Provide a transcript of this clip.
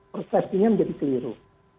prosesinya menjadi keliru